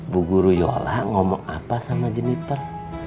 bu guru yola ngomong apa sama jeniper